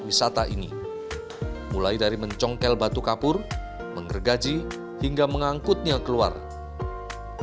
wisata ini mulai dari mencongkel batu kapur menggergaji hingga mengangkutnya keluar